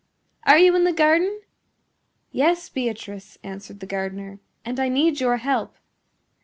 "Are you in the garden?" "Yes, Beatrice," answered the gardener, "and I need your help."